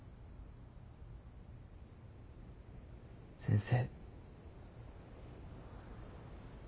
先生。